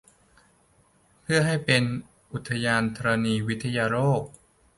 เพื่อให้เป็นอุทยานธรณีวิทยาโลก